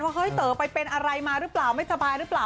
เฮ้ยเต๋อไปเป็นอะไรมาหรือเปล่าไม่สบายหรือเปล่า